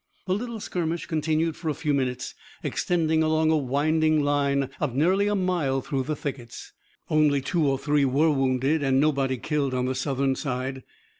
The little skirmish continued for a few minutes, extending along a winding line of nearly a mile through the thickets. Only two or three were wounded and nobody killed on the Southern side.